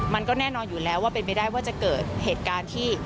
มันก็แน่นอนอยู่แล้วว่าเป็นไปได้ว่าจะเกิดเหตุการณ์ที่